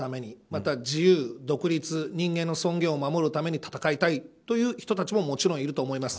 また自由、独立人間の尊厳を守るために戦いたいという人たちもいると思います。